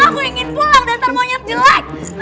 aku ingin pulang datar monyet jelek